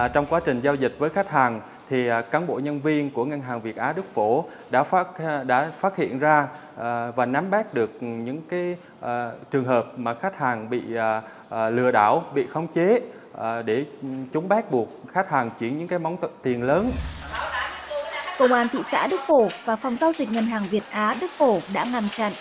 công an thị xã đức phổ và phòng giao dịch ngân hàng việt á đức phổ đã ngằm chặn